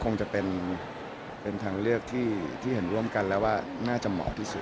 คงจะเป็นทางเลือกที่เห็นร่วมกันแล้วว่าน่าจะเหมาะที่สุด